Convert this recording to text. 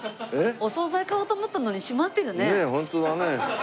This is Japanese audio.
お総菜買おうと思ったのに閉まってるね。